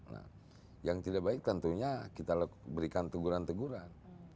nah yang tidak baik tentunya kita berikan teguran teguran